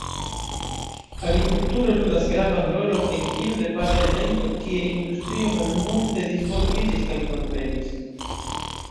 Agrikulturo ludas gravan rolon en tiu departemento, kie industrio malmulte disvolviĝis kaj prosperis.